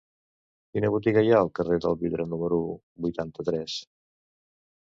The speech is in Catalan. Quina botiga hi ha al carrer del Vidre número vuitanta-tres?